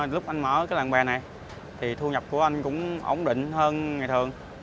lúc anh mở cái làng bè này thì thu nhập của anh cũng ổn định hơn ngày thường